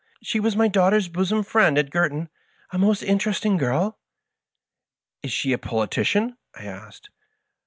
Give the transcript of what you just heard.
She was my daughter's bosom friend at Girton — ^a most interest ing girl." *^ Is she a politician ?" I asked.